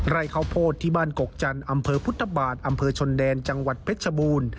ไร่ข้าวโพดที่บ้านกกจันทร์อำเภอพุทธบาทอำเภอชนแดนจังหวัดเพชรชบูรณ์